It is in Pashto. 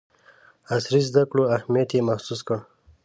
عصري زدکړو اهمیت یې محسوس کړ.